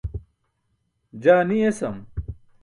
Jaa ni esam.